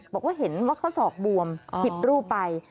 บอกว่าเห็นว่าข้อศอกบวมผิดรูปไป